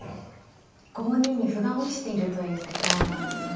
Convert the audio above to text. ５二に歩が落ちているということなんですね。